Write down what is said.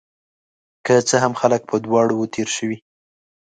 که څه هم، خلک په دواړو وو تیر شوي